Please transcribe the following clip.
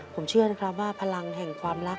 ผมเชื่อนะครับว่าพลังแห่งความรัก